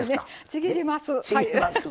ちぎります。